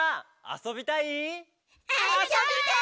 「あそびたい！」